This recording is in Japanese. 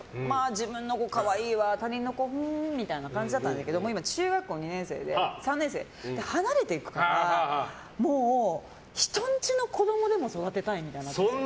自分の子、可愛いわ他人の子はふーんみたいな感じだったんだけど今、中学校３年生で離れていくからもう、人んちの子供でも育てたいみたいな。